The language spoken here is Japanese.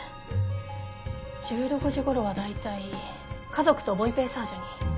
１６時ごろは大体家族とボウ・ペイサージュに。